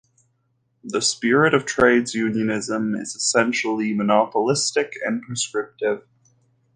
The spirit of trades unionism is essentially monopolistic and prescriptive.